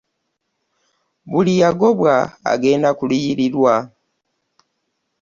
Buli yagobwa agenda kuliyirirwa.